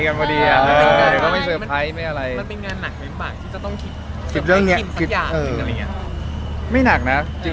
มันเป็นงานหนักหมิบบ่างก็ต้องคิดคิดสักอย่าง